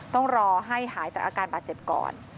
ต้องรอให้หายจากอาการบาดเจ็บก่อน